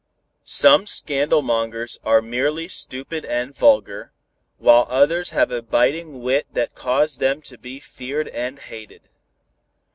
Some scandalmongers are merely stupid and vulgar, while others have a biting wit that cause them to be feared and hated.